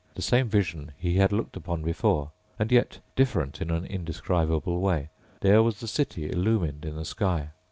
The same vision he had looked upon before and yet different in an indescribable way. There was the city illumined in the sky.